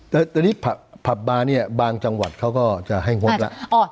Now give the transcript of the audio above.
แต่ตอนนี้ผับบาร์เนี่ยบางจังหวัดเขาก็จะให้งดแล้ว